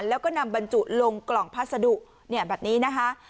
แล้วก็นำบรรจุลงกล่องพัสดุเนี่ยแบบนี้นะคะ